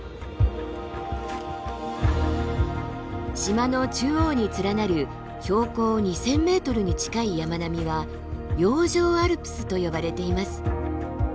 島の中央に連なる標高２，０００ｍに近い山並みは洋上アルプスと呼ばれています。